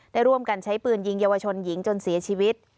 ได้ร่วมกันใช้ปืนยิงเยาวชนหญิงจนเสียชีวิต